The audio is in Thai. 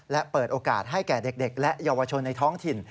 และเปิดโอกาสให้แก่เด็กและเยาวชนในท้องถิ่น